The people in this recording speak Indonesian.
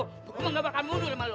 gue mau gak makan mundur sama lo